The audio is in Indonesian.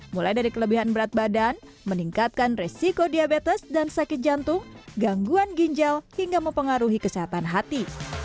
mulai dari kelebihan berat badan meningkatkan resiko diabetes dan sakit jantung gangguan ginjal hingga mempengaruhi kesehatan hati